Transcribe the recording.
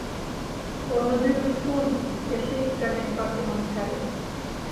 Корныдӱрыш шуын, эше ик гана ӱмбакем ончале: